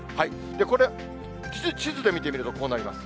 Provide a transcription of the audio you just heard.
これ、地図で見てみるとこうなります。